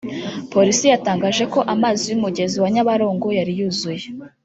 Polisi yatangaje ko amazi y’umugezi wa Nyabarongo yari yuzuye